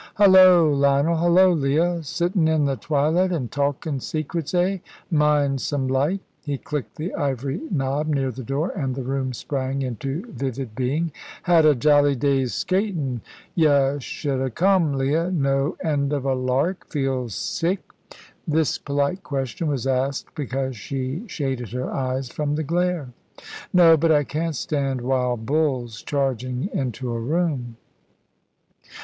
"Holloa, Lionel! Holloa, Leah! Sittin' in the twilight an' talkin' secrets eh? Mind some light?" He clicked the ivory knob near the door, and the room sprang into vivid being. "Had a jolly day's skatin. Y' should ha' come, Leah. No end of a lark. Feel sick?" This polite question was asked because she shaded her eyes from the glare. "No; but I can't stand wild bulls charging into a room."